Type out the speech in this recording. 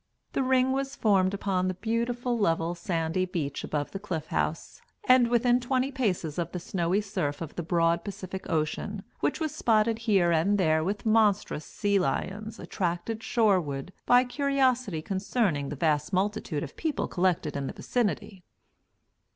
The ring was formed upon the beautiful level sandy beach above the Cliff House, and within twenty paces of the snowy surf of the broad Pacific Ocean, which was spotted here and there with monstrous sea lions attracted shoreward by curiosity concerning the vast multitude of people collected in the vicinity.